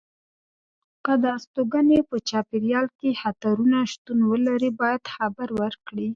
که د استوګنې په چاپېریال کې خطرونه شتون ولري باید خبر ورکړي.